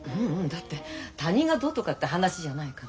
だって他人がどうとかって話じゃないから。